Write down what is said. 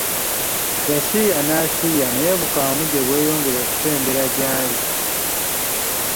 Yasiiya nasiiya naye bukamuje bwe yongera kusembera gy'ali.